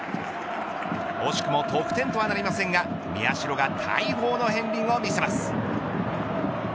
惜しくも得点とはなりませんが宮代が大砲の片りんを見せます。